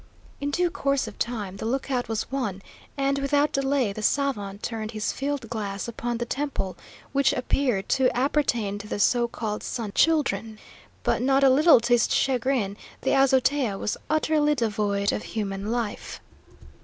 In due course of time the lookout was won, and without delay the savant turned his field glass upon the temple which appeared to appertain to the so called Sun Children; but, not a little to his chagrin, the azotea was utterly devoid of human life.